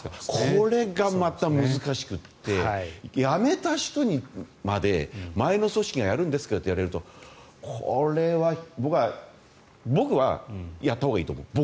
これがまた難しくて辞めた人にまで、前の組織がやるんですかってなるとこれは僕は、やったほうがいいと思う。